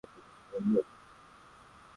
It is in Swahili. Jambo hili lilidhoofisha sana kukua kwa lugha